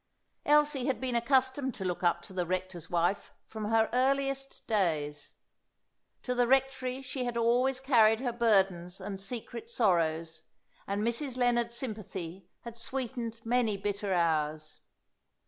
Elsie had been accustomed to look up to the rector's wife from her earliest days. To the rectory she had always carried her burdens and secret sorrows, and Mrs. Lennard's sympathy had sweetened many bitter hours.